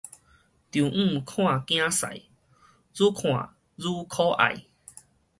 丈姆看囝婿，愈看愈可愛